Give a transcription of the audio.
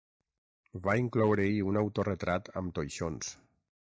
Va incloure-hi un autoretrat amb toixons.